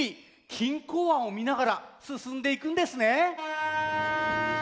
錦江湾をみながらすすんでいくんですね。